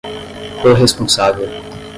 corresponsável